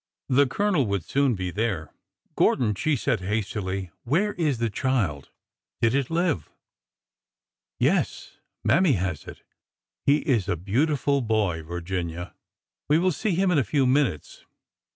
The Colonel would soon be there. Gordon," she said hastily, '' where is the child ? Did it live ?"" Yes. Mammy has it. He is a beautiful boy, Vir A DAY IN JUNE 399 ginia. We will see him in a few minutes.